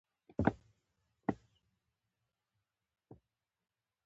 ازادي راډیو د بهرنۍ اړیکې په اړه د خلکو پوهاوی زیات کړی.